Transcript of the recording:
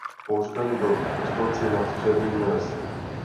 Pohřben byl v Kostelci nad Černými lesy.